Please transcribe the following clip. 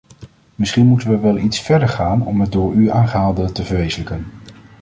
Misschien moeten we wel iets verder gaan om het door u aangehaalde te verwezenlijken.